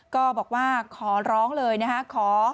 ก็บอกว่าขอร้องเลยนะฮะ